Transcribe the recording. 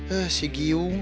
eh si giung